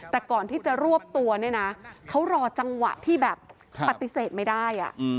แต่ก่อนที่จะรวบตัวเนี่ยนะเขารอจังหวะที่แบบปฏิเสธไม่ได้